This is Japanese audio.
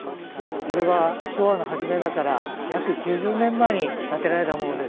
これは昭和の初めだから約９０年前に建てられたものです。